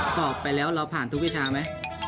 สอบไปแล้วเราผ่านทุกวิชาไหม